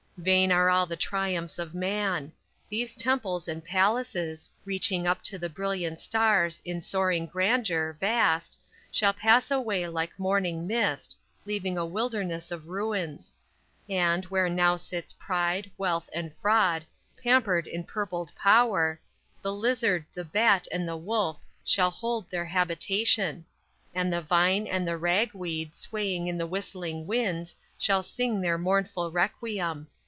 Vain are all the triumphs of man. These temples and palaces, Reaching up to the brilliant stars In soaring grandeur, vast Shall pass away like morning mist, Leaving a wilderness of ruins. And, where now sits pride, wealth and fraud Pampered in purpled power The lizard, the bat and the wolf Shall hold their habitation; And the vine and the rag weed Swaying in the whistling winds Shall sing their mournful requiem.